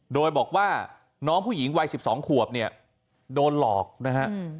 โดยบอกว่าน้องผู้หญิงวัย๑๒ขวบเนี่ยโดนหลอกนะฮะ